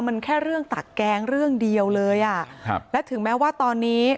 มันแค่เรื่องตักแกงเรื่องเดียวเลยอ่ะครับและถึงแม้ว่าตอนนี้